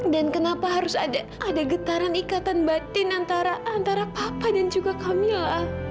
dan kenapa harus ada getaran ikatan batin antara papa dan juga kamilah